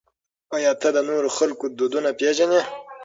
آیا ته د نورو خلکو دودونه پېژنې؟